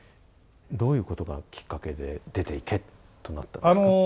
どういうことがきっかけで出て行けとなったんですか？